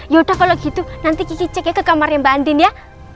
yaudah kalau gitu nanti kiki cek ya ke kamarnya mbak andin ya